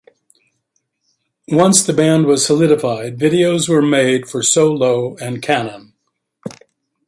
Once the band was solidified, videos were made for "So Low" and "Cannon".